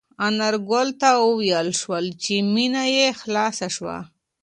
انارګل ته وویل شول چې مېنه یې خلاصه شوه.